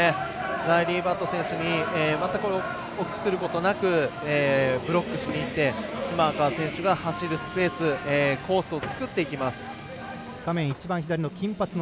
ライリー・バット選手に全く臆することなくブロックしにいって島川選手が走るスペースコースを作っていきます。